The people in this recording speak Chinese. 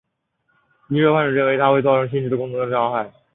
医师和患者认为它会造成心智功能的伤害。